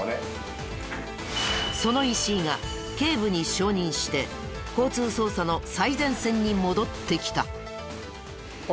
その石井が警部に昇任して交通捜査の最前線に戻ってきた。